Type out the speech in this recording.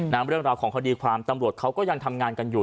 เรื่องราวของคดีความตำรวจเขาก็ยังทำงานกันอยู่